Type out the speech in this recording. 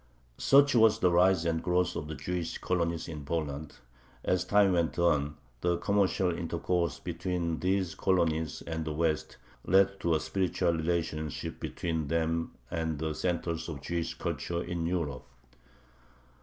Such was the rise and growth of the Jewish colonies in Poland. As time went on, the commercial intercourse between these colonies and the West led to a spiritual relationship between them and the centers of Jewish culture in Europe.